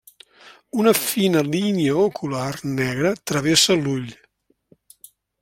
Una fina línia ocular negra travessa l'ull.